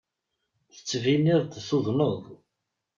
Tettbineḍ-d tuḍneḍ.